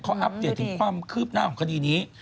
เขาอัปเดตถึงความคืบหน้าของคดีนี้